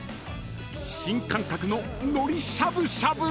［新感覚ののりしゃぶしゃぶ！］